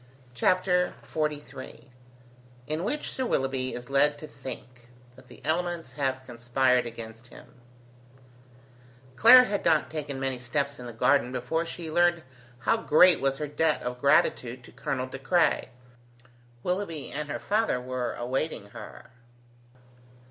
CHAPTER XLIII IN WHICH SIR WILLOUGHBY IS LED TO THINK THAT THE ELEMENTS HAVE CONSPIRED AGAINST HIM Clara had not taken many steps in the garden before she learned how great was her debt of gratitude to Colonel De Craye. Willoughby and her father were awaiting her.